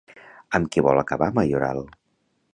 Amb què vol acabar Mayoral?